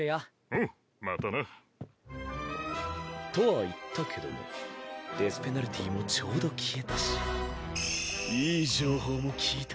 おうまたな。とは言ったけどもデスペナルティもちょうど消えたしいい情報も聞いた。